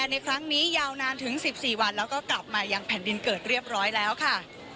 ในครั้งนี้ยาวนานถึง๑๔วันแล้วก็กลับมายังแผ่นดินเกิดเรียบร้อยแล้วค่ะ